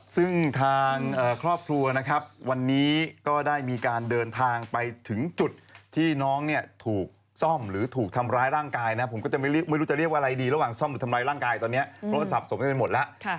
ซึ่งทางครอบครัวนะครับวันนี้ก็ได้มีการเดินทางไปถึงจุดที่น้องเนี่ยถูกซ่อมหรือถูกทำร้ายร่างกายนะผมก็จะไม่รู้จะเรียกว่าอะไรดีระหว่างซ่อมหรือทำร้ายร่างกายตอนนี้โทรศัพท์ส่งกันไปหมดแล้ว